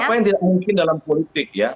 apa yang tidak mungkin dalam politik ya